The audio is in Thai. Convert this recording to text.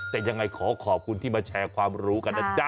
แต่ยังไงขอขอบคุณที่มาแชร์ความรู้กันนะจ๊ะ